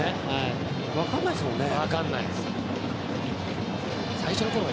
分からないですものね。